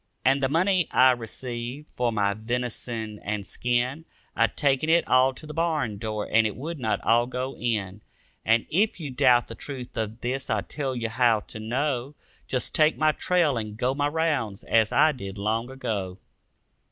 And the money I received for my venison and skin, I taken it all to the barn door and it would not all go in. And if you doubt the truth of this I tell you how to know: Just take my trail and go my rounds, as I did, long ago.